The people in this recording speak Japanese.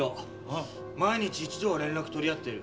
毎日一度は連絡取り合ってる。